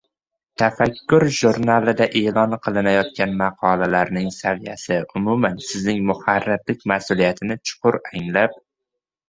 – “Tafakkur” jurnalida e’lon qilinayotgan maqolalarning saviyasi, umuman, sizning muharrirlik mas’uliyatini chuqur anglab